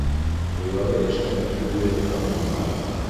Уларға йәштәрҙең ҡул йылыһы һалынған.